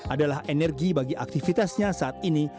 adalah energi bagi aktivitasnya saat ini